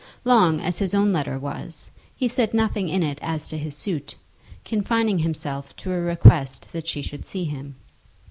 Long as his own letter was, he said nothing in it as to his suit, confining himself to a request that she should see him.